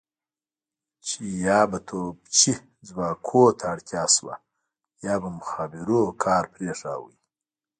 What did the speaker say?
چې یا به توپچي ځواکونو ته اړتیا شوه یا به مخابرو کار پرېښود.